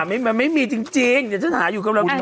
มันหาไม่มีจริงเดี๋ยวฉันหาอยู่กันแล้ว